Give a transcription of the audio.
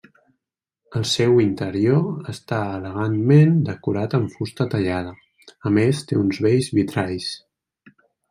El seu interior està elegantment decorat en fusta tallada, a més té uns bells vitralls.